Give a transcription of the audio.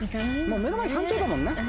目の前山頂だもんな。